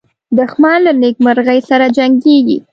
دښمن له نېکمرغۍ سره جنګیږي